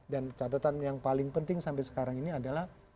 catatan yang paling penting sampai sekarang ini adalah